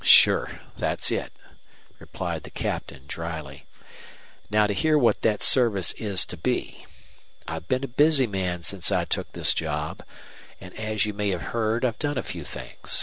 "Sure. That's it," replied the Captain, dryly. "Now to hear what that service is to be. I've been a busy man since I took this job, and, as you may have heard, I've done a few things.